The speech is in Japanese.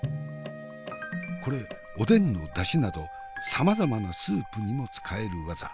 これおでんのだしなどさまざまなスープにも使える技。